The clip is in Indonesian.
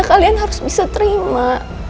kalian harus bisa terima